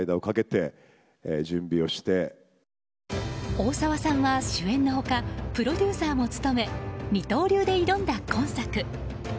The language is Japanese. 大沢さんは主演の他プロデューサーも務め二刀流で挑んだ今作。